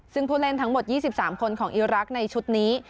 ซึ่งผู้เล่นทั้งหมด๒๓คนของอีรักษ์ในชุดนี้